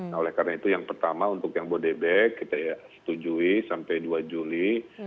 nah oleh karena itu yang pertama untuk yang bodebek kita setujui sampai dua juli